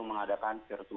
ada yang mengadakan virtual